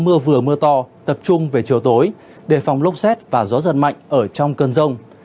cục bộ vừa mưa to tập trung về chiều tối để phòng lốc xét và gió giật mạnh ở trong cơn rông